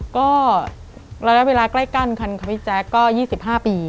ก็ระยะเวลาใกล้กันค่ะพี่แจ๊คก็๒๕ปี